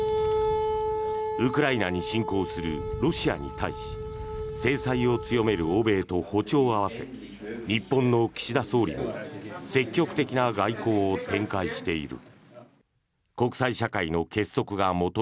ウクライナに侵攻するロシアに対し制裁を強める欧米と歩調を合わせ日本の岸田総理も積極的な外交を展開している。